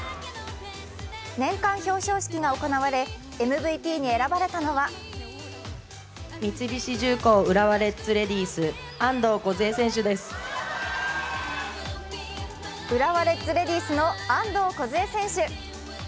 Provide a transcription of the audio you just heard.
年間表彰式が行われ、ＭＶＰに選ばれたのは浦和レッズレディースの安藤梢選手。